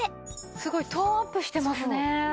すごいトーンアップしてますね。